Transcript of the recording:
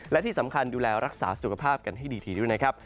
และที่สำคัญดูแลรักษาสุขภาพกันให้ดีด้วยนะครับ